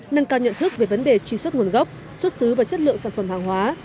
nâng cao nhận thức về vấn đề truy xuất nguồn gốc xuất xứ và chất lượng sản phẩm hàng hóa